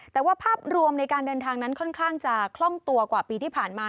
แต่ว่าภาพรวมในการเดินทางนั้นค่อนข้างจะคล่องตัวกว่าปีที่ผ่านมา